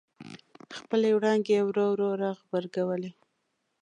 خپلې وړانګې یې ورو ورو را غبرګولې.